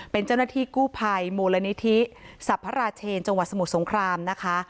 เป็นเจ้าหน้าที่กู้ภัยมูลนิธิสรรพราเชนจังหวัดสมุทรสงครามนะคะ